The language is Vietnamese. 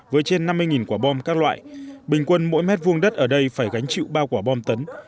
với trên năm mươi quả bom các loại bình quân mỗi mét vuông đất ở đây phải gánh chịu ba quả bom tấn